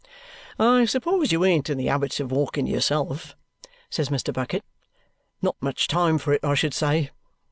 "I suppose you ain't in the habit of walking yourself?" says Mr. Bucket. "Not much time for it, I should say?"